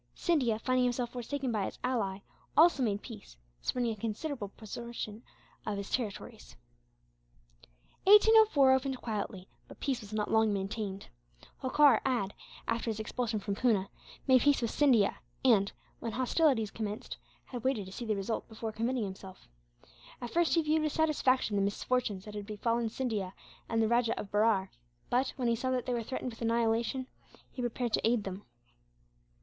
Scindia, finding himself forsaken by his ally, also made peace, surrendering a considerable portion of his territories. 1804 opened quietly, but peace was not long maintained. Holkar had, after his expulsion from Poona, made peace with Scindia and, when hostilities commenced, had waited to see the result before committing himself. At first he viewed with satisfaction the misfortunes that had befallen Scindia and the Rajah of Berar but, when he saw that they were threatened with annihilation, he prepared to aid them.